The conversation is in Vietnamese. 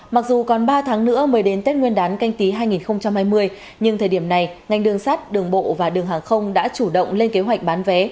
mặc dù còn ba tháng nữa mới đến tết nguyên đán canh tí hai nghìn hai mươi nhưng thời điểm này ngành đường sắt đường bộ và đường hàng không đã chủ động lên kế hoạch bán vé